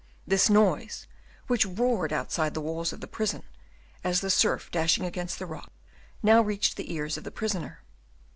This noise, which roared outside of the walls of the prison, as the surf dashing against the rocks, now reached the ears of the prisoner.